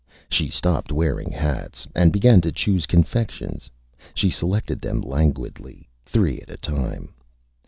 She stopped wearing Hats, and began to choose Confections. She selected them Languidly, three at a time.